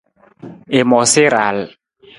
I moosa i raal.